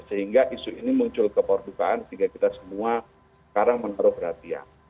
sehingga isu ini muncul ke perdukaan sehingga kita semua sekarang menaruh perhatian